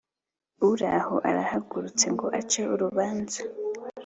Uhoraho arahagurutse ngo ace urubanza,